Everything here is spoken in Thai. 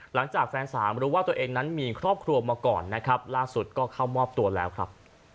หลังจากแฟนสาวรู้ว่าตัวเองนั้นมีครอบครัวมาก่อนนะครับล่าสุดก็เข้ามอบตัวแล้วครับ